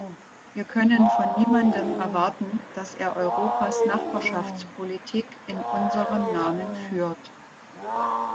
Wir können von niemandem erwarten, dass er Europas Nachbarschaftspolitik in unserem Namen führt.